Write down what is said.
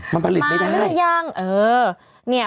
มันผลิตไม่ได้มันผลิตไม่ได้มาหรือยัง